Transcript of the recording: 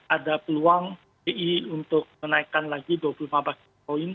ada peluang bi untuk menaikkan lagi dua puluh lima basis point